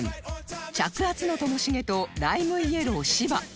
着圧のともしげとライムイエロー芝